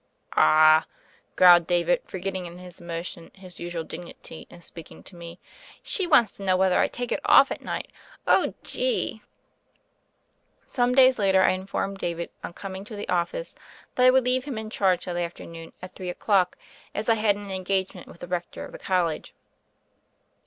"Awl" growled David, forgetting in his emo tions his usual dignity in speaking to me, "she wants to know whetner I take it off at night. Oh, gee I" Some days later I informed David on com ing to the office that I would leave him in charge that afternoon at 3 o'clock, as I had an engagement with the Rector of the College.